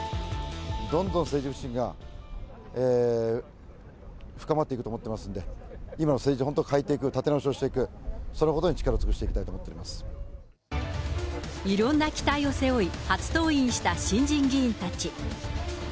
どんどん政治不信が深まっていくと思ってますんで、今の政治を本当、変えていく、立て直しをしていく、そのことに力を尽くしいろんな期待を背負い、初登院した新人議員たち。